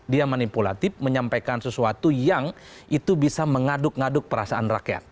dia manipulatif menyampaikan sesuatu yang itu bisa mengaduk ngaduk perasaan rakyat